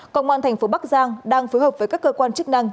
cộng quan thành phố bắc giang đang phối hợp với các cơ quan chức năng